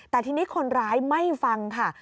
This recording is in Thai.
แต่ทีนี้คนร้ายไม่ฟังค่ะ